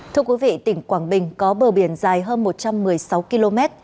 thưa quý vị tỉnh quảng bình có bờ biển dài hơn một trăm một mươi sáu km